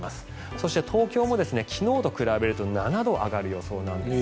そして、東京も昨日と比べると７度上がる予想なんです。